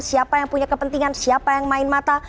siapa yang punya kepentingan siapa yang main mata